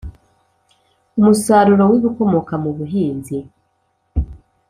umusaruro w ibikomoka ku buhinzi